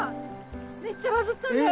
めっちゃバズったんだよ！